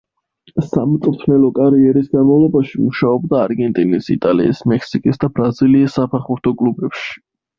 სამწვრთნელო კარიერის განმავლობაში მუშაობდა არგენტინის, იტალიის, მექსიკის და ბრაზილიის საფეხბურთო კლუბებში.